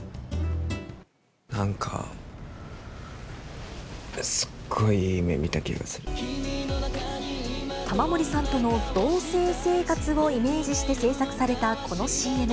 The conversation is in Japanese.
なんか、玉森さんとの同せい生活をイメージして制作されたこのＣＭ。